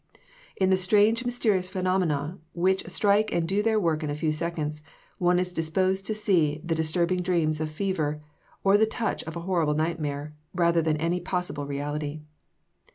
In the strange mysterious phenomena, which strike and do their work in a few seconds, one is disposed to see the disturbing dreams of fever, or the touch of a horrible nightmare, rather than any possible reality.